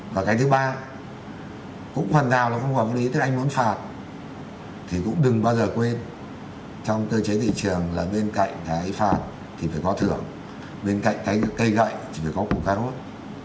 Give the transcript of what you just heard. và cái thứ ba cũng hoàn rào là khung khổ pháp lý tức là anh muốn phạt thì cũng đừng bao giờ quên trong cơ chế thị trường là bên cạnh cái phạt thì phải có thưởng bên cạnh cái cây gậy thì phải có củ cà rốt